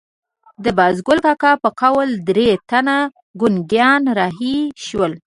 د بازګل کاکا په قول درې تنه ګونګیان رهي شول.